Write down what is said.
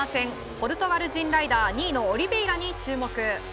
ポルトガル人ライダー２位のオリベイラに注目。